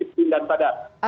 tipin dan sadar